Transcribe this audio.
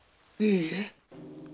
いいえ。